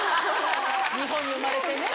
日本に生まれてね。